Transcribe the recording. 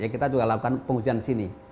kita juga lakukan pengujian di sini